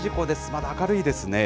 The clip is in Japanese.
まだ明るいですね。